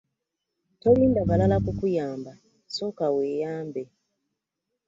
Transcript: Tolinda balala kukuyamba sooka weeyambe.